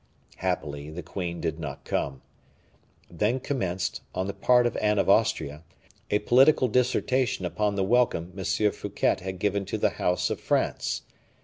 Happily the queen did not come. Then commenced, on the part of Anne of Austria, a political dissertation upon the welcome M. Fouquet had given to the house of France.